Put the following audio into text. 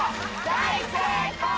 大成功！